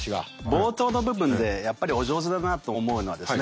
冒頭の部分でやっぱりお上手だなと思うのはですね